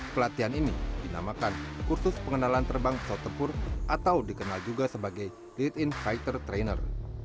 pelatihan ini dinamakan kursus pengenalan terbang pesawat tempur atau dikenal juga sebagai lead in fighter trainer